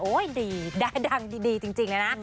โอ้ยดีได้ดังดีจริงแล้วนะ